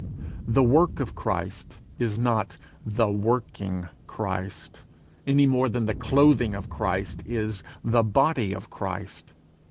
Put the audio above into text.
The work of Christ is not the Working Christ, any more than the clothing of Christ is the body of Christ.